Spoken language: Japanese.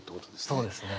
そうですね。